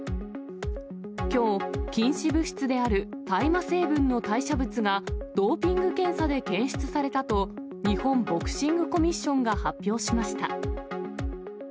きょう、禁止物質である大麻成分の代謝物が、ドーピング検査で検出されたと、日本ボクシングコミッションが発表しました。